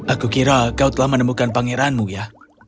aku kira kau telah menemukan pangeranmu ya